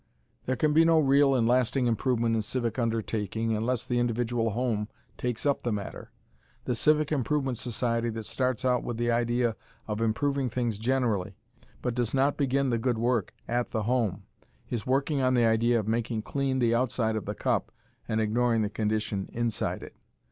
There can be no real and lasting improvement in civic undertaking unless the individual home takes up the matter. The civic improvement society that starts out with the idea of improving things generally, but does not begin the good work at the home is working on the idea of making clean the outside of the cup and ignoring the condition inside it.